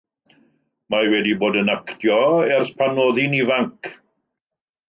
Mae hi wedi bod yn actio ers pan oedd hi'n ifanc.